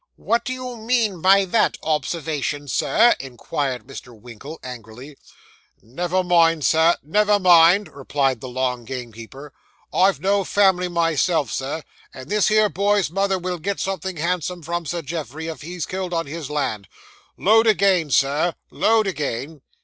'What do you mean by that observation, Sir?' inquired Mr. Winkle, angrily. 'Never mind, Sir, never mind,' replied the long gamekeeper; 'I've no family myself, sir; and this here boy's mother will get something handsome from Sir Geoffrey, if he's killed on his land. Load again, Sir, load again.